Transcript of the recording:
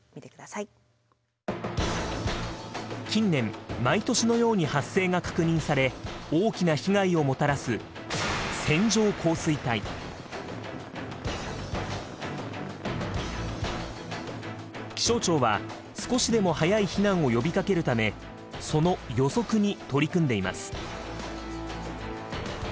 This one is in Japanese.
近年毎年のように発生が確認され大きな被害をもたらす気象庁は少しでも早い避難を呼びかけるためその予測に取り組んでいます。